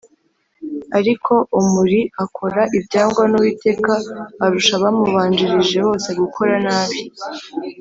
Ariko Omuri akora ibyangwa n’Uwiteka arusha abamubanjirije bose gukora nabi,